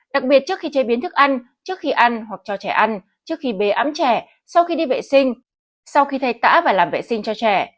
đặc biệt trước khi chế biến thức ăn trước khi ăn hoặc cho trẻ ăn trước khi bế ắm trẻ sau khi đi vệ sinh sau khi thay tả và làm vệ sinh cho trẻ